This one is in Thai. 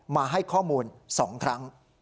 มาให้ข้อมูล๒ครั้ง